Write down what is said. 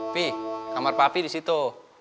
pih kamar papi di situ